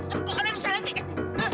tepuk tangan salah sih kan